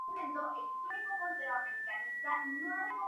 Permitiendo un trabajo de forma asíncrona entre los participantes.